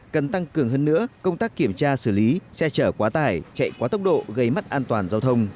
cần tăng cường hơn nữa công tác kiểm tra xử lý xe chở quá tải chạy quá tốc độ gây mất an toàn giao thông